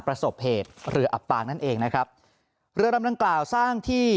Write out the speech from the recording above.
ประสบเหตุเรืออับปางนั่นเองนะครับเรือลำดังกล่าวสร้างที่